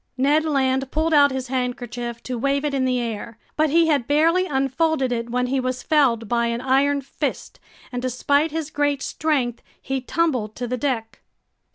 Ned Land pulled out his handkerchief to wave it in the air. But he had barely unfolded it when he was felled by an iron fist, and despite his great strength, he tumbled to the deck.